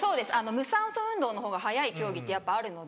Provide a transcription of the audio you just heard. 無酸素運動の方が速い競技ってやっぱあるので。